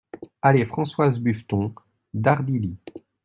Allée Françoise Buffeton, Dardilly